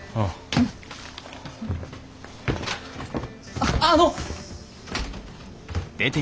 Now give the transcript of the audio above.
あっあの。